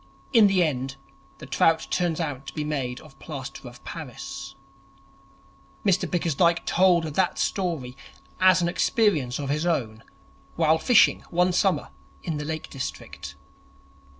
In the end the trout turns out to be made of plaster of Paris. Mr Bickersdyke told that story as an experience of his own while fishing one summer in the Lake District.